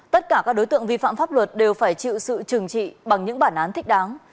tất cả các đối tượng vi phạm pháp luật đều phải chịu sự trừng trị bằng những bản án thích đáng